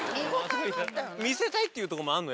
見せたいっていうとこもあるの？